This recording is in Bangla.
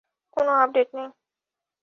কোন আপডেট নেই।